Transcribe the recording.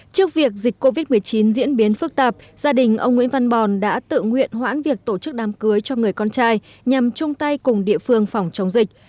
trước việc dịch covid một mươi chín diễn biến phức tạp gia đình ông nguyễn văn bòn đã tự nguyện hoãn việc tổ chức đám cưới cho người con trai nhằm chung tay cùng địa phương phòng chống dịch